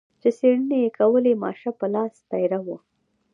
چې څېړنې یې کولې ماشه په لاس پیره و.